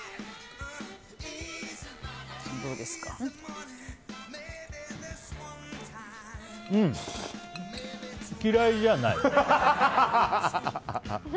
うん、嫌いじゃない。